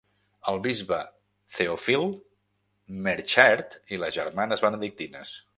El bisbe Theophile Meerschaert i les germanes benedictines.